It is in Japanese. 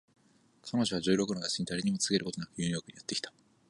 彼女は十六の夏に誰にも告げることなくニューヨークにやって来た